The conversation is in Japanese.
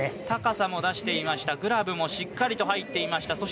高さも出していましたグラブもしっかりと入っていました。